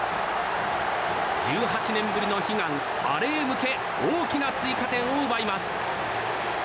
１８年ぶりの悲願、アレへ向け大きな追加点を奪います。